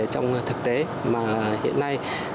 trong thực tế mà hiện nay